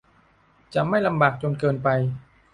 จะไม่ลำบากจนเกินไป